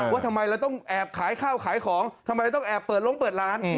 ว่าทำไมเราต้องแอบขายข้าวขายของทำไมเราต้องแอบเปิดลงเปิดร้าน